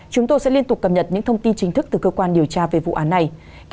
chúng tôi sẽ liên tục cập nhật những thông tin chính thức từ cơ quan điều tra về vụ án này